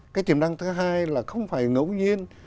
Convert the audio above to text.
cái tiềm năng thứ hai là không phải ngẫu nhiên